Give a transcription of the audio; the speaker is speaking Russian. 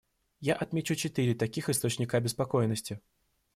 Я отмечу четыре таких источника обеспокоенности.